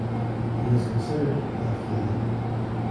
He is considered left-leaning.